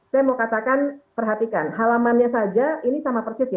saya mau katakan perhatikan halamannya saja ini sama persis ya